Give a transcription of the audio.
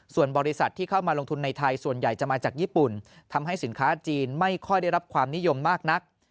ส่วนบริษัทที่เข้ามาลงทุนในไทยส่วนใหญ่จะมาจากญี่ปุ่นทำให้สินค้าจีนไม่ค่อยได้รับความนิยมมากนัก